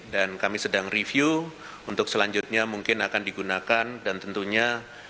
kami sedang review untuk selanjutnya mungkin akan digunakan dan tentunya